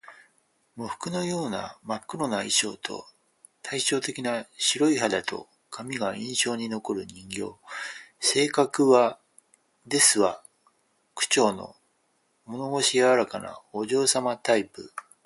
喪服のような真っ黒な衣装と、対照的な白い肌と髪が印象に残る人形。性格は「ですわ」口調の物腰柔らかなお嬢様タイプ